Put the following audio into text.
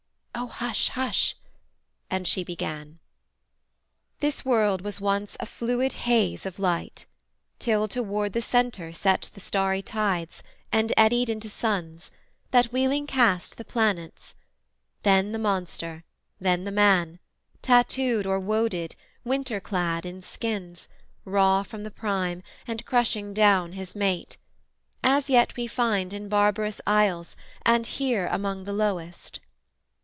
'Oh hush, hush!' and she began. 'This world was once a fluid haze of light, Till toward the centre set the starry tides, And eddied into suns, that wheeling cast The planets: then the monster, then the man; Tattooed or woaded, winter clad in skins, Raw from the prime, and crushing down his mate; As yet we find in barbarous isles, and here Among the lowest.'